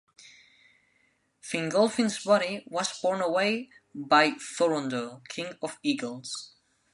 Fingolfin's body was borne away by Thorondor, King of Eagles.